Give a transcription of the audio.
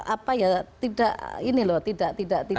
apa ya tidak ini loh tidak tidak tidak